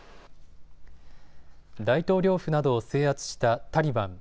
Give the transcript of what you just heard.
大統領府などを制圧したタリバン。